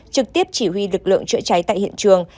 trực tiếp chỉ huy lực lượng chữa cháy tại hiện trường